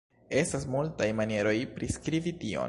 Estas multaj manieroj priskribi tion.